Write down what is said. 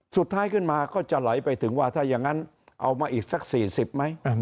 สุดท้ายขึ้นมาก็จะไหลไปถึงว่าถ้าอย่างนั้นเอามาอีกสัก๔๐ไหม